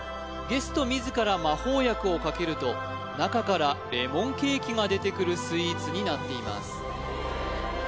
ゲスト自ら魔法薬をかけると中からレモンケーキが出てくるスイーツになっています